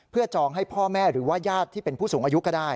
เพื่อจองให้พ่อแม่หรือว่าญาติที่เป็นผู้สูงอายุก็ได้